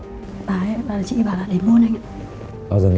bà ấy chị bà ấy đã đến luôn anh ạ